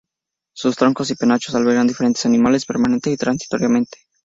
Sus troncos y penachos albergan diferentes animales permanente o transitoriamente.